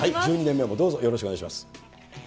１２年目もどうぞよろしくお願いいたします。